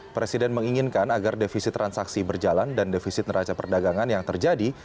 presiden menginginkan agar defisit transaksi berjalan dan defisit neraca perdagangan yang terjadi